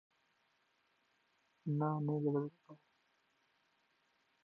شاه محمود د خپلو توپونو ځای بدل کړ.